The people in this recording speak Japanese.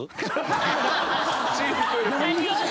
シンプル！